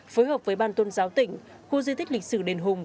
phối hợp với ban tôn giáo tỉnh khu di tích lịch sử đền hùng